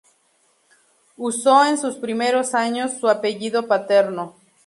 Usó en sus primeros años su apellido paterno.